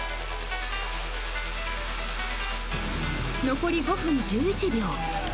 残り５分１１秒。